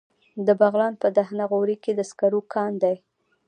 د بغلان په دهنه غوري کې د سکرو کان دی.